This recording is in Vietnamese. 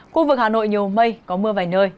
khu vực hà nội nhiều mây có mưa vài nơi